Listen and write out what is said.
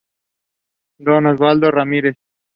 Don Oswaldo Ramírez.